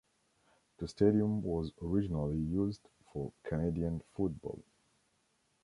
The stadium was originally used for Canadian football.